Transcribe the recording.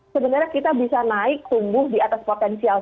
sebenarnya kita bisa naik tumbuh di atas potensial